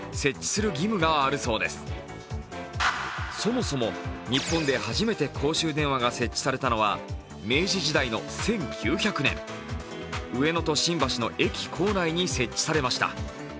そもそも日本で初めて公衆電話が設置されたのは明治時代の１９００年、上野と新橋の駅構内に設置されました。